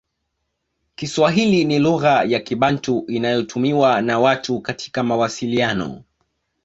Kiswahili ni lugha ya Kibantu inayotumiwa na watu katika mawasiliano